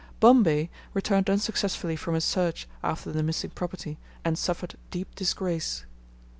Bombay returned unsuccessfully from his search after the missing property, and suffered deep disgrace.